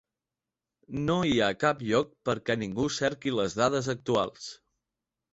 No hi ha cap lloc per que ningú cerqui les dades actuals.